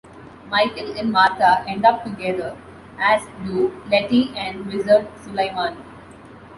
Michael and Martha end up together, as do Lettie and Wizard Suliman.